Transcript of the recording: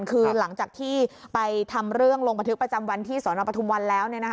คือหลังจากที่ไปทำเรื่องลงบันทึกประจำวันที่สนปทุมวันแล้ว